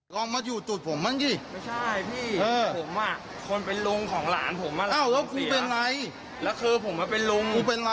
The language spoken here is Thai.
การเย็น